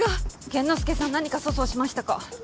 玄之介さん何か粗相しましたか？